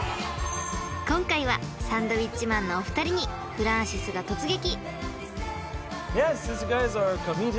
［今回はサンドウィッチマンのお二人にフランシスが突撃］